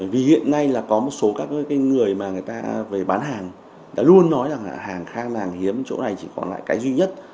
vì hiện nay là có một số các người mà người ta về bán hàng đã luôn nói rằng hàng khang hàng hiếm chỗ này chỉ còn lại cái duy nhất